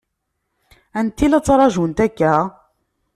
Anta i la ttṛaǧunt akka?